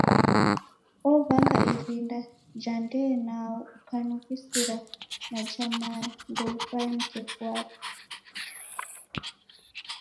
Ow'anga irina ja ndee nao ukanughisira na ja mae. Ndouvaye mkeku wape.